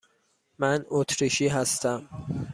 من اتریشی هستم.